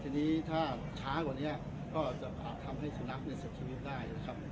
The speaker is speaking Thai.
ที่วันนี้ถ้าช้ากว่านี้ที่จะทำให้ชื่อนักเสพชีวิตได้